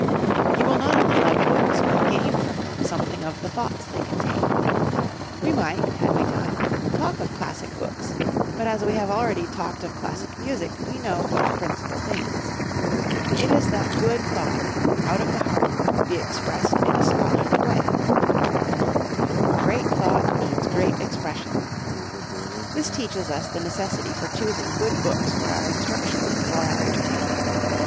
You will not only love books, but gain from them something of the thoughts they contain. We might, had we time, talk of classic books, but as we have already talked of classic music we know what the principal thing is. It is that good thought, out of the heart, be expressed in a scholarly way "Great thought needs great expression." This teaches us the necessity for choosing good books for our instruction and for our entertainment.